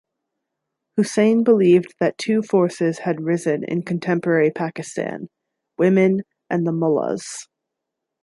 Hussain believed that two forces had risen in contemporary Pakistan: women and the mullahs.